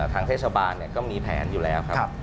ทางเทศบาลก็มีแผนอยู่แล้วครับ